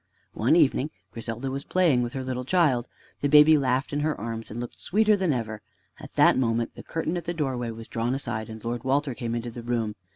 One evening Griselda was playing with her little child. The baby laughed in her arms and looked sweeter than ever. At that moment the curtain at the doorway was drawn aside and Lord Walter came into the room.